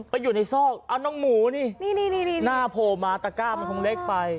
ไปอยู่ในซอกเอาน้องหมูนี่หน้าโผล่มาตะก้ามันคงเล็กไป